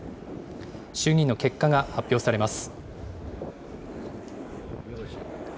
衆議院の結果が発表されます。